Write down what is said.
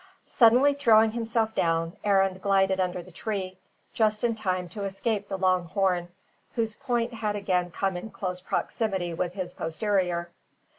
Suddenly throwing himself down, Arend glided under the tree, just in time to escape the long horn, whose point had again come in close proximity with his posterior.